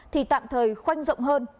thì tạm thời khoanh rộng hơn